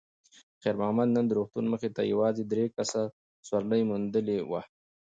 خیر محمد نن د روغتون مخې ته یوازې درې کسه سوارلي موندلې وه.